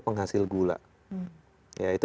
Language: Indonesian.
penghasil gula ya itu